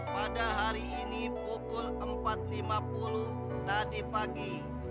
pada hari ini pukul empat lima puluh tadi pagi